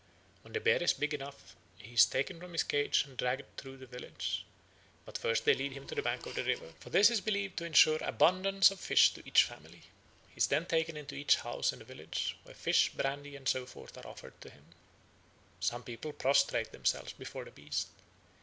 When the bear is big enough he is taken from his cage and dragged through the village. But first they lead him to the bank of the river, for this is believed to ensure abundance of fish to each family. He is then taken into every house in the village, where fish, brandy, and so forth are offered to him. Some people prostrate themselves before the beast.